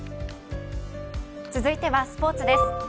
続いてはスポーツです。